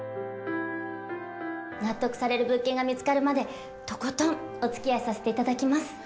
納得される物件が見つかるまでとことんおつきあいさせていただきます。